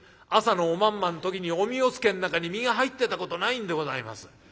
朝のおまんまの時におみおつけの中に実が入ってたことないんでございます。